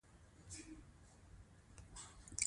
پکتیا د افغانستان په اوږده تاریخ کې ذکر شوی دی.